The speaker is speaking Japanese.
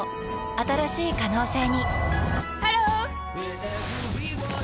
新しい可能性にハロー！